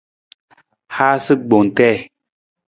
Haasa gbong tii.